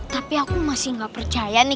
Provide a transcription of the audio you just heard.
tapi aku masih gak percaya nih